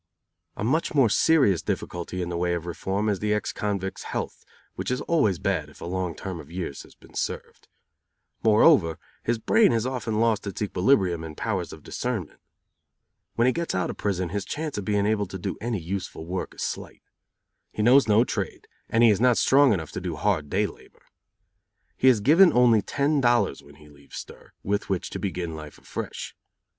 A much more serious difficulty in the way of reform is the ex convict's health which is always bad if a long term of years has been served. Moreover, his brain has often lost its equilibrium and powers of discernment. When he gets out of prison his chance of being able to do any useful work is slight. He knows no trade, and he is not strong enough to do hard day labor. He is given only ten dollars, when he leaves stir, with which to begin life afresh.